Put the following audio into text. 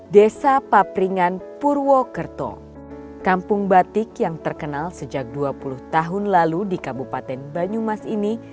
desa papringan purwokerto kampung batik yang terkenal sejak dua puluh tahun lalu di kabupaten banyumas ini